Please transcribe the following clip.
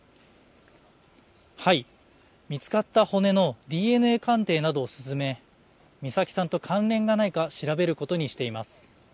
見つかった骨のＤＮＡ鑑定などを進め美咲さんと関連がないか調べることにしています。